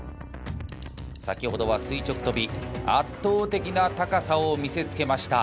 先ほどは垂直跳び圧倒的な高さを見せつけました。